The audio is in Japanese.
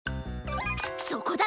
そこだろ！